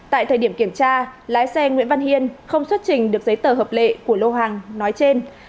tại thời điểm kiểm tra lái xe nguyễn văn hiên không xuất trình được giấy tờ hợp lệ của lô hàng nói trên